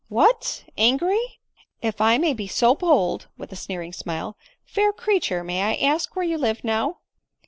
" What ! angry ! If I may be so bold, (with a sneering smile,) fair creature, may I ask where you live now